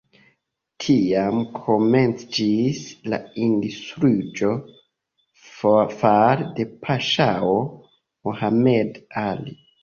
Tiam komenciĝis la industriiĝo fare de paŝao Mohamed Ali.